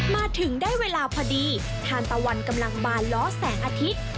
มาถึงได้เวลาพอดีทานตะวันกำลังบานล้อแสงอาทิตย์